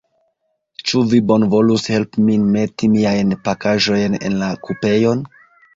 Ĉu vi bonvolus helpi min meti miajn pakaĵojn en la kupeon?